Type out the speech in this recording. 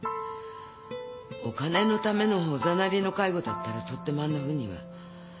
お金のためのおざなりの介護だったらとってもあんなふうには。